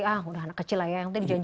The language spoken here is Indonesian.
nah udah anak kecil lah ya